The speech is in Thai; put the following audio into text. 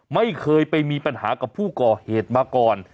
ไม่เคยไปมีปัญหากับผู้ก่อเหตุมาก่อน